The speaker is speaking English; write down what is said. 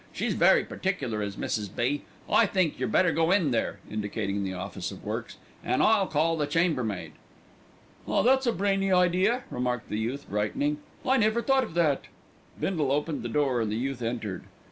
She's very particular, is Mrs. B. I think yer'd better go in there," indicating the Office of Works, "an' I'll call the chambermaid." "Ah, that's a brainy idea," remarked the youth, brightening. "I never thought of that." Bindle opened the door and the youth entered.